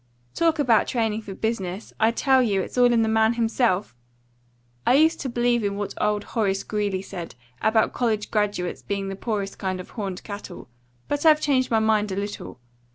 "Talk about training for business I tell you it's all in the man himself! I used to believe in what old Horace Greeley said about college graduates being the poorest kind of horned cattle; but I've changed my mind a little.